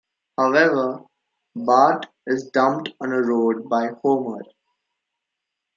However, Bart is dumped on a road by Homer.